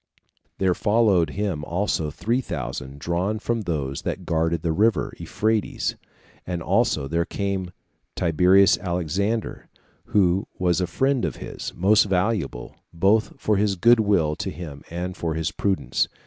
There followed him also three thousand drawn from those that guarded the river Euphrates; as also there came Tiberius Alexander, who was a friend of his, most valuable, both for his good will to him, and for his prudence.